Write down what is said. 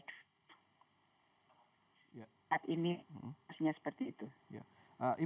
ini maksudnya seperti itu